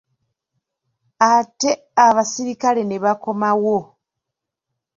Ate abasirikale ne bakomawo.